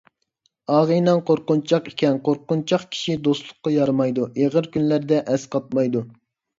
ئاغىنەڭ قورقۇنچاق ئىكەن، قورقۇنچاق كىشى دوستلۇققا يارىمايدۇ، ئېغىر كۈنلەردە ئەسقاتمايدۇ.